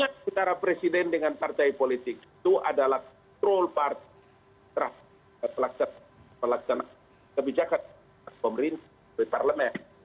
ya perusahaan antara presiden dengan partai politik itu adalah perusahaan terhadap pelaksanaan kebijakan pemerintah parlement